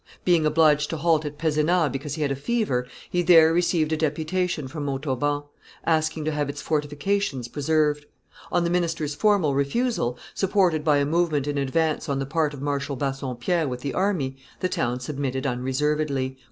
Being obliged to halt at Pezenas because he had a fever, he there received a deputation from Montauban, asking to have its fortifications preserved. On the minister's formal refusal, supported by a movement in advance on the part of Marshal Bassompierre with the army, the town submitted unreservedly.